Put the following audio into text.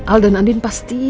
al dan andin pasti